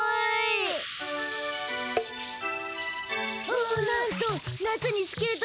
おおなんと！